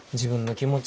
気持ち？